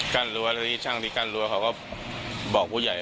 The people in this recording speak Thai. แล้วช่างที่กั้นรั้วเขาก็บอกผู้ใหญ่